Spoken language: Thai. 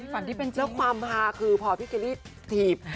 แล้วความพาคือพอพี่เคนลี่ถีบ